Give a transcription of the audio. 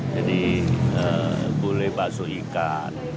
jadi bule bakso ikan